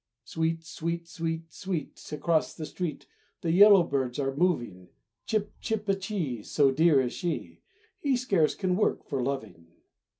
"Sweet, sweet, sweet, sweet," Across the street The yellow birds are moving. "Chip chip a chee; So dear is she!" He scarce can work for loving.